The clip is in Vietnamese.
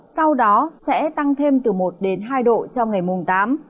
sau đó sẽ tăng thêm từ một hai độ trong ngày mùng tám